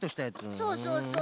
そうそうそう。